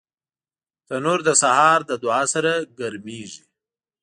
تنور د سهار له دعا سره ګرمېږي